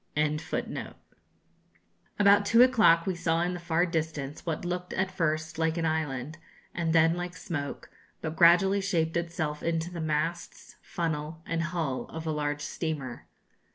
] About two o'clock we saw in the far distance what looked at first like an island, and then like smoke, but gradually shaped itself into the masts, funnel, and hull of a large steamer.